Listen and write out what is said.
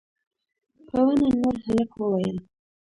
په ونه لوړ هلک وويل: